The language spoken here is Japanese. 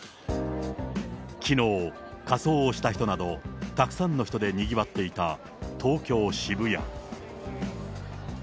きのう、仮装をした人など、たくさんの人でにぎわっていた東京・渋谷。